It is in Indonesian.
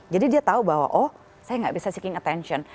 jadi dia tahu bahwa oh saya gak bisa seeking attention